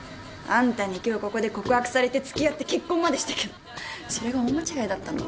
あんたに今日ここで告白されて付き合って結婚までしたけどそれが大間違いだったの。